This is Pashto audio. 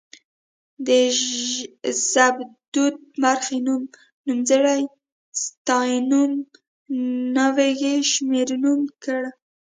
د ژبدود برخې نوم، نومځری ستيانوم ، نوږی شمېرنوم کړ